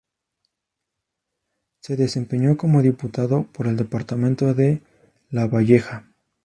Se desempeñó como diputado por el departamento de Lavalleja.